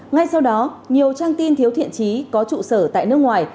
ngay sau đó nhiều trang tin thiếu thiện trí có trụ sở tại nước ngoài